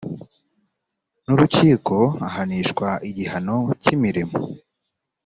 n urukiko ahanishwa igihano cy imirimo